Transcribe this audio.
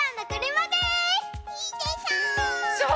いいでしょう？